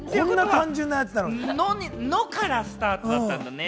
「の」からスタートしたんだね。